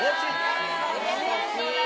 優しい。